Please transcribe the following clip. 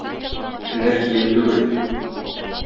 Һөнәр кием түгел.